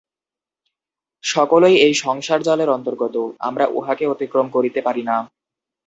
সকলই এই সংসার জালের অন্তর্গত, আমরা উহাকে অতিক্রম করিতে পারি না।